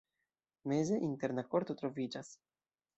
Meze interna korto troviĝas.